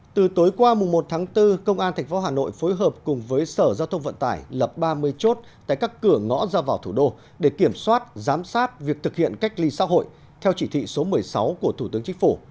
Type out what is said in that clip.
từ tối qua một tháng bốn công an tp hà nội phối hợp cùng với sở giao thông vận tải lập ba mươi chốt tại các cửa ngõ ra vào thủ đô để kiểm soát giám sát việc thực hiện cách ly xã hội theo chỉ thị số một mươi sáu của thủ tướng chính phủ